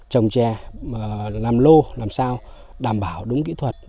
trồng trè làm lô làm sao đảm bảo đúng kỹ thuật